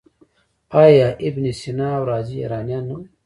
آیا ابن سینا او رازي ایرانیان نه وو؟